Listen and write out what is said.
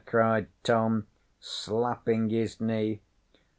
cried Tom, slapping his knee.